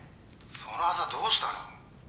そのアザどうしたの！？